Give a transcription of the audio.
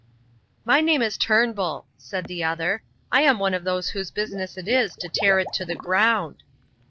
"My name is Turnbull," said the other; "I am one of those whose business it is to tear it to the ground."